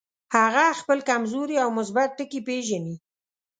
هغه خپل کمزوري او مثبت ټکي پېژني.